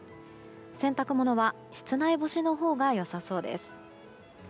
洗濯物は室内干しのほうが良さそうです。